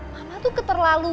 mama tuh keterlaluan ya